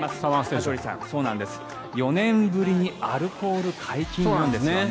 羽鳥さん、４年ぶりにアルコール解禁なんですよね。